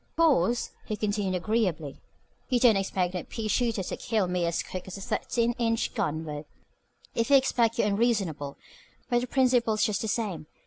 "Of course," he continued agreeably, "you don't expect no pea shooter to kill me as quick as a thirteen inch gun would. If you expect that you're unreasonable. But the principle is just the same.